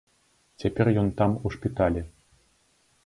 Цяпер ён там у шпіталі.